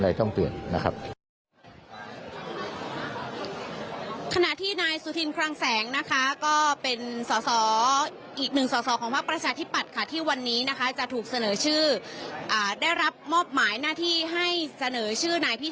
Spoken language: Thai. วันนี้พร้อมวันนี้พร้อมมาทำหน้าที่เหมือนเดิม